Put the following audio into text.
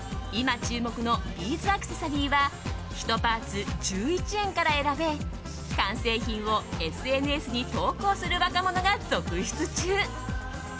今注目のビーズアクセサリーは１パーツ１１円から選べ完成品をＳＮＳに投稿する若者が続出中。